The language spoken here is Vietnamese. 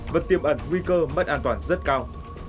và tiêm ẩn nguy cơ mất an toàn rất cao